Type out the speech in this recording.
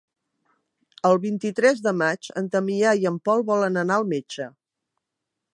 El vint-i-tres de maig en Damià i en Pol volen anar al metge.